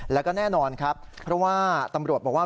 แล้วก็แน่นอนครับเพราะว่าตำรวจบอกว่า